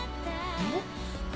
えっ？